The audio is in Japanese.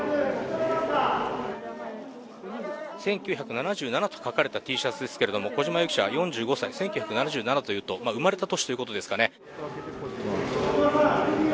１９７７と書かれたＴシャツですけれども、小島容疑者は４５歳、１９７７といいますと生まれた年ということですかね。